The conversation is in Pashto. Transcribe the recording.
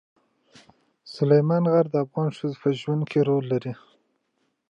سلیمان غر د افغان ښځو په ژوند کې رول لري.